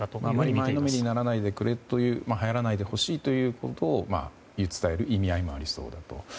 あんまり前のめりにならないでくれはやらないでほしいということを言い伝える意味合いもありそうだと。